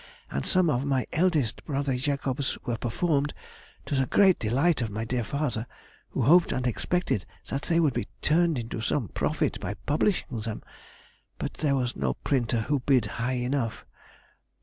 and some of my eldest brother Jacob's were performed, to the great delight of my dear father, who hoped and expected that they would be turned to some profit by publishing them, but there was no printer who bid high enough.